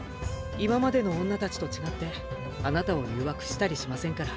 今までの女たちと違ってあなたを誘惑したりしませんから。